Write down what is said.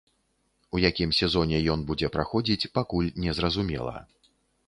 У якім сезоне ён будзе праходзіць, пакуль незразумела.